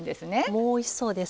もうおいしそうです。